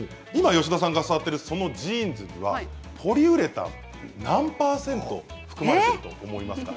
吉田さんが触っているそのジーンズにはポリウレタン何％含まれていると思いますか。